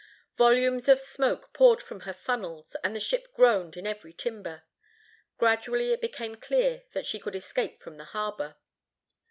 Volumes of smoke poured from her funnels, and the ship groaned in every timber. Gradually it became clear that she could escape from the harbor.